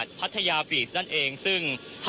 คุณทัศนาควดทองเลยค่ะ